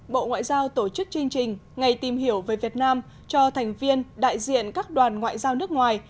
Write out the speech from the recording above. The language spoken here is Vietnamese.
bộ ngoại giao tổ chức chương trình ngày tìm hiểu về việt nam cho thành viên đại diện các đoàn ngoại giao nước ngoài